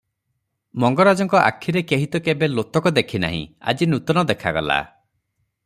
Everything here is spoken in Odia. ମଙ୍ଗରାଜଙ୍କ ଆଖିରେ କେହିତ କେବେ ଲୋତକ ଦେଖିନାହିଁ, ଆଜି ନୂତନ ଦେଖାଗଲା ।